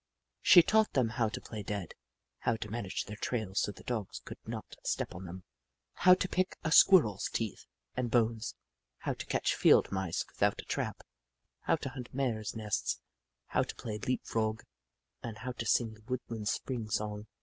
She taught them how to play dead, how to manage their trails so the Dogs could not step on them, how to pick a Squirrel's teeth and bones, how to catch Field Mice with out a trap, how to hunt Mares' nests, how to play Leap Frog, and how to sing the woodland spring song.